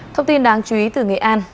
thông tin đáng chú ý từ nghệ an